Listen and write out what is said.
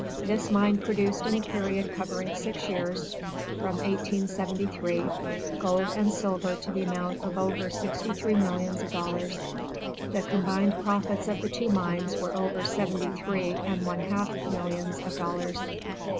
This mine produced in a period covering six years, from 1873, gold and silver to the amount of over sixty three millions of dollars. The combined profits of the two mines were over seventy three and one half millions of dollars.